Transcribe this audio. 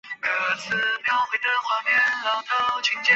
他的代表作是以傅满洲为主角的系列小说。